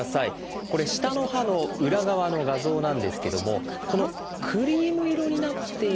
これ下の歯の裏側の画像なんですけどもこのクリーム色になっている部分